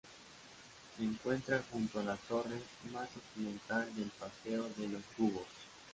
Se encuentra junto a la torre más occidental del paseo de los Cubos.